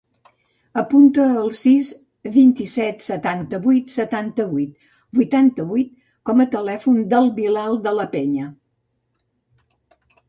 Apunta el sis, vint-i-set, setanta-vuit, setanta-vuit, vuitanta-vuit com a telèfon del Bilal De La Peña.